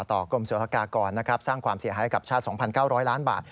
ต่อกรมศัลกากรนะครับสร้างความเสียหายกับชาติ๒๙๐๐ล้านบาท